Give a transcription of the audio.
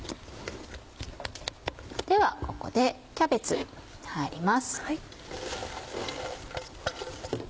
ではここでキャベツ入ります。